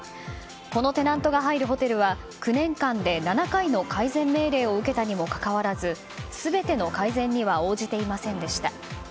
このテナントが入るホテルは９年間で７回の改善命令を受けたにもかかわらず全ての改善には応じていませんでした。